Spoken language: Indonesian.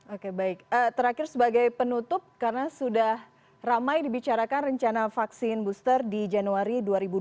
oke baik terakhir sebagai penutup karena sudah ramai dibicarakan rencana vaksin booster di januari dua ribu dua puluh